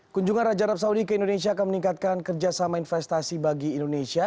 kunjungan raja arab saudi ke indonesia akan meningkatkan kerjasama investasi bagi indonesia